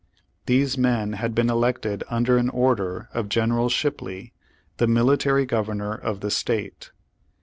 These men had been elected under an order of General Shipley, the Military Governor of the State.